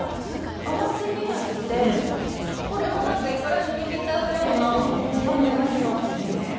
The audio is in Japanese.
甘すぎなくて、これもいくらでもいけちゃうような感じがします。